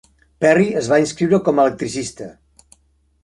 Perry es va inscriure com a electricista.